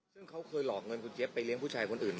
ซึ่งเขาเคยหลอกเงินคุณเจ๊บไปเลี้ยงผู้ชายคนอื่น